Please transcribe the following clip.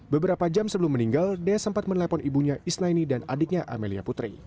beberapa jam sebelum meninggal dea sempat menelpon ibunya isnaini dan adiknya amelia putri